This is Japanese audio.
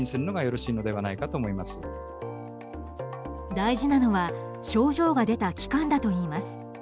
大事なのは症状が出た期間だといいます。